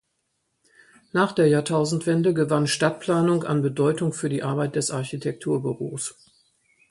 Nach der Jahrtausendwende gewann Stadtplanung an Bedeutung für die Arbeit des Architekturbüros.